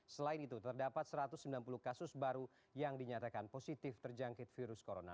selain itu terdapat satu ratus sembilan puluh kasus baru yang dinyatakan positif terjangkit virus corona